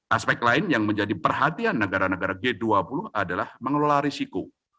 aspek lain yang menjadi perhatian negara negara g dua puluh adalah mengelola risiko